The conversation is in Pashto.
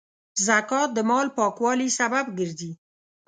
زکات د مال پاکوالي سبب ګرځي.